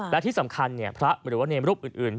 และที่สำคัญพระหรือว่าเนมรูปอื่น